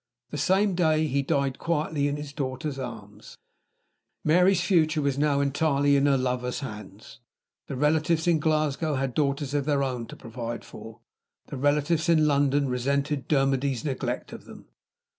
The same day he died quietly in his daughter's arms. Mary's future was now entirely in her lover's hands. The relatives in Glasgow had daughters of their own to provide for. The relatives in London resented Dermody's neglect of them.